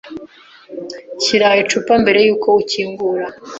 Shyira icupa mbere yuko ukingura.